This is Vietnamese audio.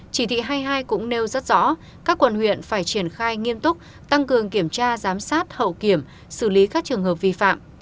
chỉ thị hai mươi hai cũng nêu rất rõ các quần huyện phải triển khai nghiêm túc tăng cường kiểm tra giám sát hậu kiểm xử lý các trường hợp vi phạm